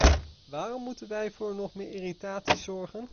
Waarom moeten wij voor nog meer irritatie zorgen?